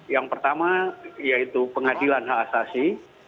yang pertama yaitu pengadilan hak asasi